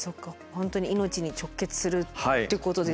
本当に命に直結するってことですよね。